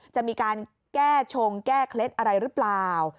จะมีการแก้ชงแก้เคล็ดอะไรหรือเปล่า